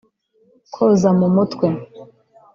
koza mu mutwe